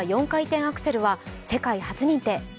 ４回転アクセルは世界初認定。